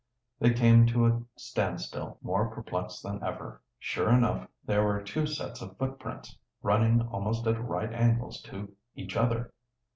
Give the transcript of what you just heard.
They came to a standstill, more perplexed than ever. Sure enough, there were two sets of footprints, running almost at right angles to each other.